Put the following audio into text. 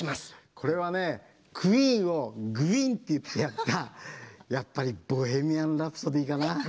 これはね、クイーンをグイーンっていってやったやっぱり「ボヘミアン・ラプソディ」かな。